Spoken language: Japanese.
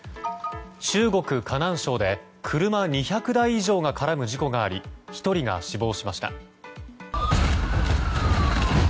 中国・河南省で車２００台以上が絡む事故があり１人が死亡しました。